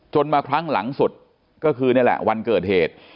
มาครั้งหลังสุดก็คือนี่แหละวันเกิดเหตุ